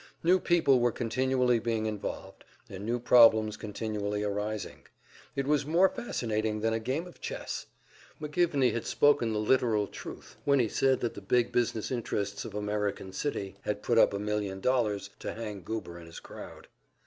New people were continually being involved, and new problems continually arising; it was more fascinating than a game of chess. McGivney had spoken the literal truth when he said that the big business interests of American City had put up a million dollars to hang Goober and his crowd.